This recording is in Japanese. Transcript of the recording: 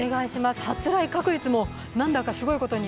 発雷確率もなんだかすごいことに。